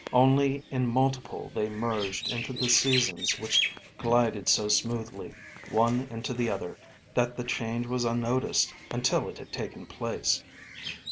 Only in multiple they merged into the seasons which glided so smoothly, one into the other, that the change was unnoticed, until it had taken place.